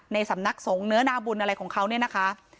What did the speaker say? สำนักสงฆ์เนื้อนาบุญอะไรของเขาเนี่ยนะคะ